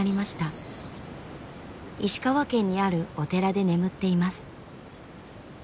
石川県にあるお寺で眠っています。